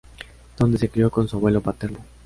Donde se crio con su abuelo paterno.